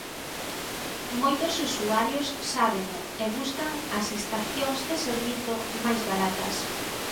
Moitos usuarios sábeno e buscan as estacións de servizo máis baratas.